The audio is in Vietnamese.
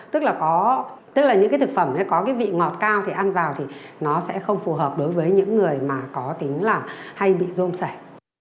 tức là những cái thực phẩm có cái vị ngọt cao thì ăn vào thì nó sẽ không phù hợp đối với những người mà có tính là hay bị rôm sảy